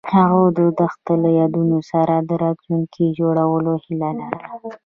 هغوی د دښته له یادونو سره راتلونکی جوړولو هیله لرله.